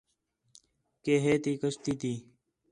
کہ ہیتی کشتی تی